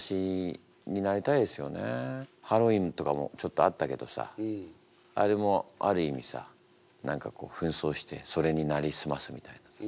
まあでももちょっとあったけどさあれもある意味さ何かこうふん装してそれになりすますみたいなさ。